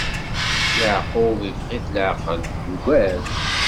Yeɛqub iffeɣ-it leɛqel, yugad.